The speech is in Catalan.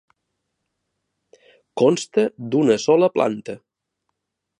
Consta d'una sola planta.